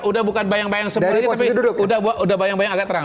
udah bukan bayang bayang seperti ini tapi udah bayang bayang agak terang